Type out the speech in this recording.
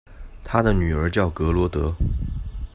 他的女儿叫格萝德。